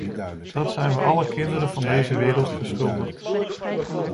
Dat zijn we alle kinderen van deze wereld verschuldigd.